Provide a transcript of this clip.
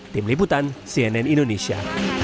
tim liputan cnn indonesia